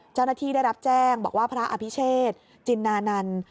เจ้าหน้าที่ได้รับแจ้งบอกว่าพระอภิเชษจินนานันต์